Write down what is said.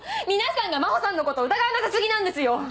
皆さんが真帆さんのこと疑わなさ過ぎなんですよ！